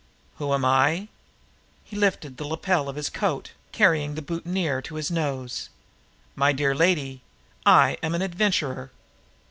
"Who am I?" He lifted the lapel of his coat, carrying the boutonniere to his nose. "My dear lady, I am an adventurer."